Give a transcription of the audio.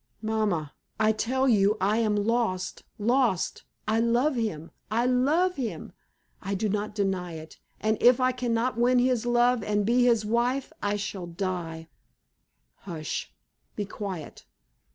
Mamma, I tell you I am lost lost! I love him! I love him! I do not deny it, and if I can not win his love and be his wife, I shall die!" "Hush! Be quiet.